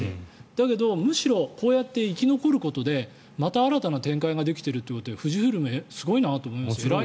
だけど、むしろこうやって生き残ることでまた新たな展開ができているっていうことで富士フイルム、すごいなと思います。